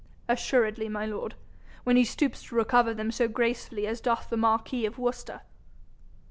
'Assuredly, my lord, when he stoops to recover them so gracefully as doth the marquis of Worcester.'